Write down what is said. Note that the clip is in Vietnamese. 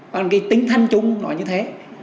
còn cái tính thân chung nói như thế